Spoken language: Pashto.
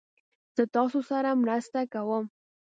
زه تاسو سره مرسته کوم